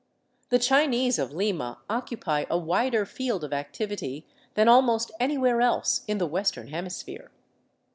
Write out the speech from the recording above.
The Chinese of Lima occupy a wider field of activity than almost anywhere else in the Western hemisphere.